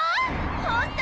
本当！